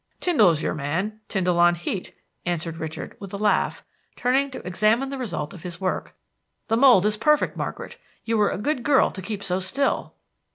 "Tyndall's your man Tyndall on Heat," answered Richard, with a laugh, turning to examine the result of his work. "The mold is perfect, Margaret. You were a good girl to keep so still."